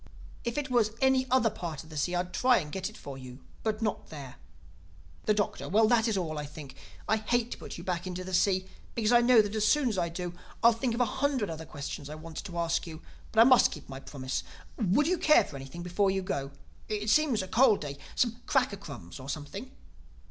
If it was any other part of the sea I'd try and get it for you; but not there." The Doctor: "Well, that is all, I think. I hate to put you back into the sea, because I know that as soon as I do, I'll think of a hundred other questions I wanted to ask you. But I must keep my promise. Would you care for anything before you go?—it seems a cold day—some cracker crumbs or something?"